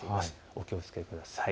お気をつけください。